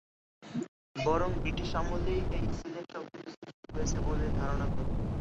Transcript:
বরং ব্রিটিশ আমলেই এই সিলেট শব্দটির সৃষ্টি হয়েছে বলে ধারণা করি।